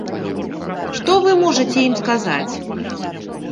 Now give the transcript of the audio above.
Што вы можаце ім сказаць?